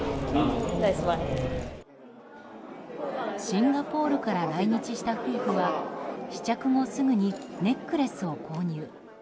シンガポールから来日した夫婦は、試着後すぐにネックレスを購入。